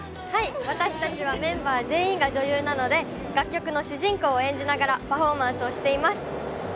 私たちはメンバー全員が女優なので、楽曲の主人公を演じながらパフォーマンスをしています。